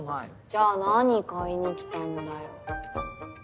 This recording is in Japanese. じゃあ何買いに来たんだよ？